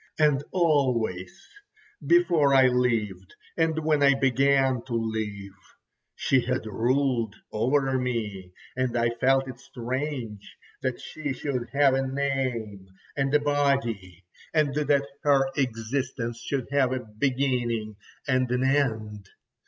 And always, before I lived and when I began to live, she had ruled over me, and I felt it strange that she should have a name and a body, and that her existence should have a beginning and an end.